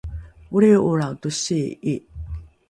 olriho’olrao tosii’i